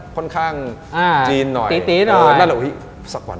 ค่อนข้างจีนหน่อย